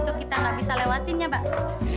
tentu kita gak bisa lewatinnya abah